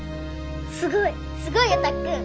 すごいすごいよたっくん